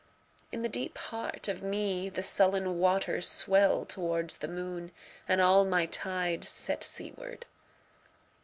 In the deep heart of meThe sullen waters swell towards the moon, And all my tides set seaward.